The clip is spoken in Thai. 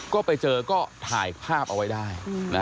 ก็ไปเจอก็ถ่ายภาพเอาไว้ได้